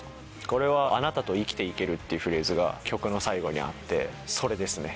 これは「あなたと生きていける」っていうフレーズが曲の最後にあってそれですね。